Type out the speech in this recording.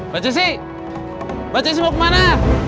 baju sih baju mau kemana